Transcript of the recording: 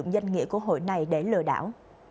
danh nghĩa của hội này để lừa đảo